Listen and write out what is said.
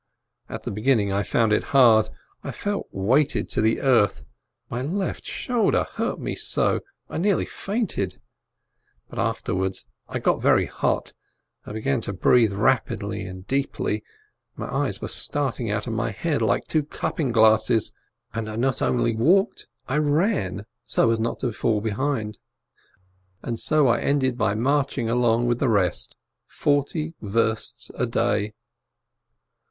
At the beginning I found it hard, I felt weighted to the earth, my left shoulder hurt me so, I nearly fainted. But afterwards I got very hot, I began to breathe rapidly and deeply, my eyes were starting out of my head like two cupping glasses, and I not only walked, I ran, so as not to fall behind — and so I ended by marching along with the rest, forty versts a day.